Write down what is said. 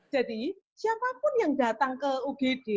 jadi siapapun yang datang ke ugd